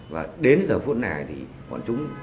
và đến giờ phút này thì bọn chúng